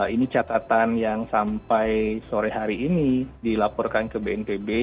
ini catatan yang sampai sore hari ini dilaporkan ke bnpb